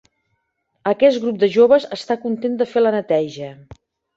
Aquest grup de joves està content de fer la neteja.